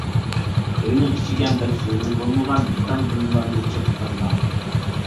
ئۆينىڭ ئىچىگە بەك زۆرۈر بولمىغان مېتال بۇيۇملارنى جىق قويماڭ.